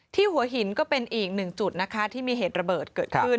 หัวหินก็เป็นอีกหนึ่งจุดนะคะที่มีเหตุระเบิดเกิดขึ้น